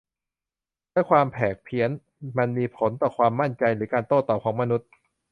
และความแผกเพี้ยน มันมีผลต่อความมั่นใจหรือการโต้ตอบของมนุษย์